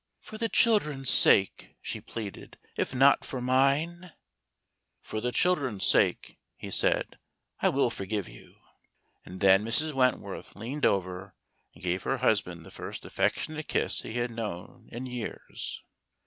" For the children's sake," she pleaded, " if not for mine ?"" For the children's sake," he said, " I will forgive you." And then Mrs. Wentworth leaned over and gave her husband the first affectionate kiss he had known in years.